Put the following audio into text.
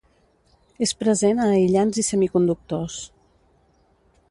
És present a aïllants i semiconductors.